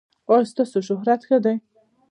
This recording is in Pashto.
ایا ستاسو شهرت ښه دی؟